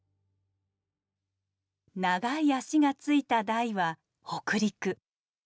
長い脚がついた台は北陸。